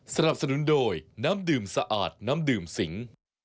สนับสนุนโดยน้ำดื่มสะอาดน้ำดื่มสิง